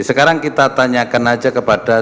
sekarang kita tanyakan aja kepada